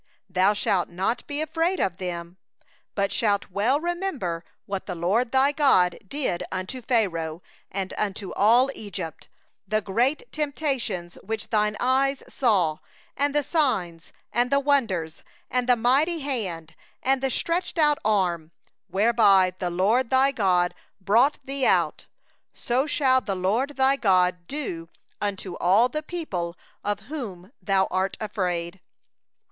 18thou shalt not be afraid of them; thou shalt well remember what the LORD thy God did unto Pharaoh, and unto all Egypt: 19the great trials which thine eyes saw, and the signs, and the wonders, and the mighty hand, and the outstretched arm, whereby the LORD thy God brought thee out; so shall the LORD thy God do unto all the peoples of whom thou art afraid.